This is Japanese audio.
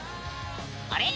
あれ？